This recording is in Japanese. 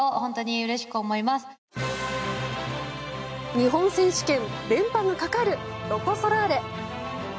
日本選手権連覇がかかるロコ・ソラーレ。